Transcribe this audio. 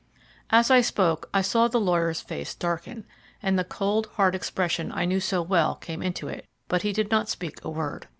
As I spoke I saw the lawyer's face darken, and the cold, hard expression I knew so well came into it, but he did not speak a word.